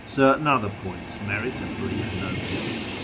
' Certain other points merit a brief notice.